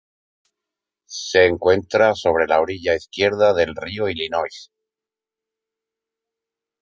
Se encuentra sobre la orilla izquierda del río Illinois.